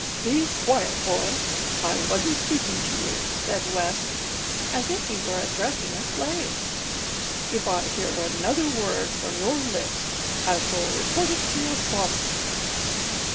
"Be quiet, boy! I wasn't speaking to you!" said West, as if he were addressing a slave. "If I hear another word from your lips I shall report it to your father!"